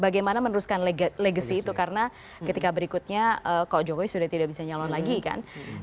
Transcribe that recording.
bagaimana meneruskan legacy itu karena ketika berikutnya kok jokowi sudah tidak bisa nyalon lagi kan